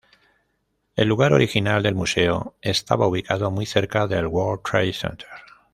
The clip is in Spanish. El lugar original del museo estaba ubicado muy cerca del World Trade Center.